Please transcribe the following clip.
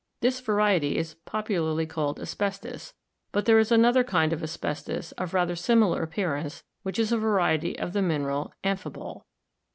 This variety is popularly called asbestos, but there is another kind of asbestos of rather similar appearance which is a variety of the mineral amphibole.